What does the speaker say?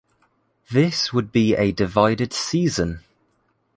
This would be a divided Season.